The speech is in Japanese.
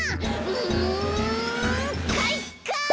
うんかいか！